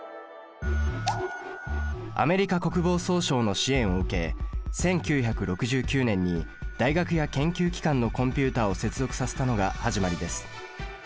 アメリカ国防総省の支援を受け１９６９年に大学や研究機関のコンピュータを接続させたのが始まりです。